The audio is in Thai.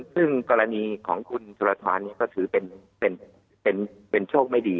ซึ่งกรณีของคุณสุรทรก็ถือเป็นโชคไม่ดี